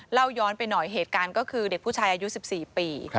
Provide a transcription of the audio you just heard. เล่าย้อนไปหน่อยเหตุการณ์ก็คือเด็กผู้ชายอายุ๑๔ปี